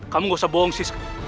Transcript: kamu gak usah bohong sih